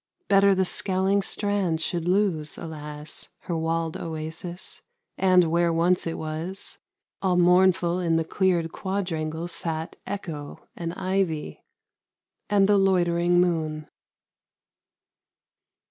Better the scowling Strand should lose, alas, Her walled oasis, and where once it was, All mournful in the cleared quadrangle sat Echo, and ivy, and the loitering moon.